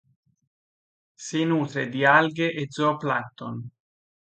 Si nutre di alghe e zooplancton.